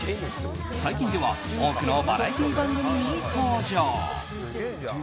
最近では多くのバラエティー番組に登場。